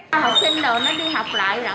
học sinh đồ nó đi học lại